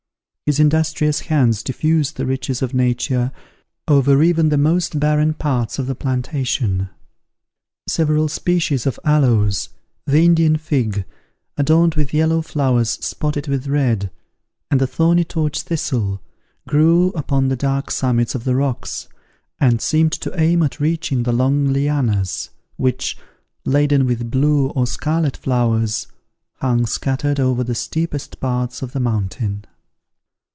His industrious hands diffused the riches of nature over even the most barren parts of the plantation. Several species of aloes, the Indian fig, adorned with yellow flowers spotted with red, and the thorny torch thistle, grew upon the dark summits of the rocks, and seemed to aim at reaching the long lianas, which, laden with blue or scarlet flowers, hung scattered over the steepest parts of the mountain.